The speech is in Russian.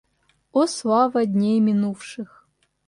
О слава дней минувших!